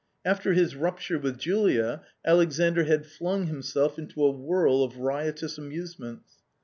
After his rupture with Julia, Alexandr had flung himself into a whirl of riotous amusements.